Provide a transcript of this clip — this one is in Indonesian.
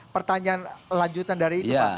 pertanyaan lanjutan dari itu pak